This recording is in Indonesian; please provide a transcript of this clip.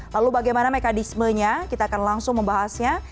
lalu bagaimana mekanismenya kita akan langsung membahasnya